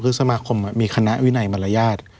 คือสมาคมมีคณะวินัยมารยาท